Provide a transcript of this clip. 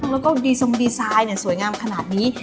แล้วก็ดีทรงดีไซน์สวยงามขนาดนี้